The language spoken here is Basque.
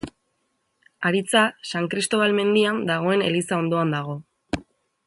Haritza San Kristobal mendian dagoen eliza ondoan dago.